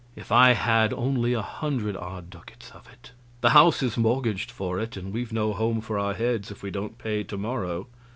If I had only a hundred odd ducats of it! The house is mortgaged for it, and we've no home for our heads if we don't pay to morrow.